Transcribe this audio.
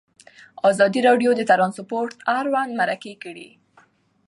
ازادي راډیو د ترانسپورټ اړوند مرکې کړي.